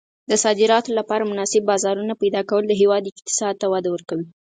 د صادراتو لپاره مناسب بازارونه پیدا کول د هېواد اقتصاد ته وده ورکوي.